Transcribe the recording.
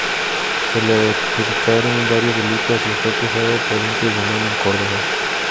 Se le adjudicaron varios delitos y fue acusado por un tribunal en Córdoba.